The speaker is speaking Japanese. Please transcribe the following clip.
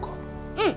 うん。